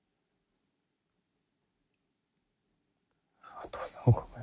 お父さんごめん。